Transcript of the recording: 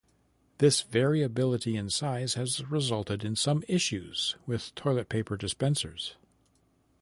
This variability in size has resulted in some issues with toilet paper dispensers.